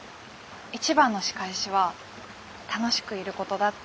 一番の仕返しは楽しくいることだって。